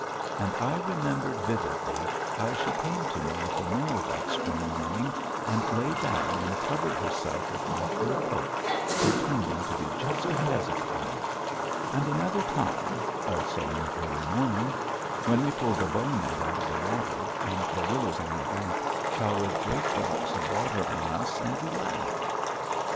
And I remembered vividly how she came to me at the mill that spring morning and lay down and covered herself with my fur coat pretending to be just a peasant woman. And another time also in the early morning when we pulled the bow net out of the water, and the willows on the bank showered great drops of water on us and we laughed....